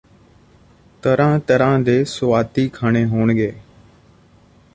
ਤਰਾ੍ਹਂ ਤਰਾ੍ਹਂ ਦੇ ਸੁਆਦੀ ਖਾਣੇ ਹੋਣਗੇ